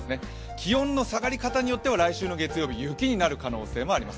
気温の下がり方によっては来週の月曜日、雪になる可能性もあります。